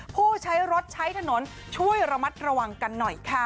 ผู้ใช้รถใช้ถนนช่วยระมัดระวังกันหน่อยค่ะ